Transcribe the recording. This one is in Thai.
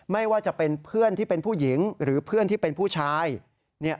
ไม่ว่าจะเป็นเพื่อนที่เป็นผู้หญิงหรือเพื่อนที่เป็นผู้ชาย